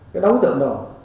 cái đối tượng đó